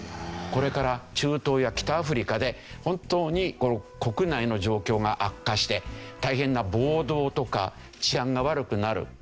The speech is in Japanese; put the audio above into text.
これから中東や北アフリカで本当に国内の状況が悪化して大変な暴動とか治安が悪くなる。